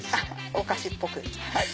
お菓子っぽく。